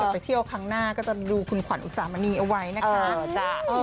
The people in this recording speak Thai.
ไปเที่ยวครั้งหน้าก็จะดูคุณขวัญอุสามณีเอาไว้นะคะ